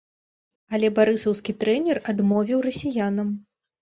Але барысаўскі трэнер адмовіў расіянам.